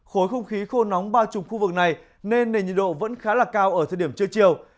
khối không khí khô nóng bao trùm khu vực này nên nền nhiệt độ vẫn khá là cao ở thời điểm trưa chiều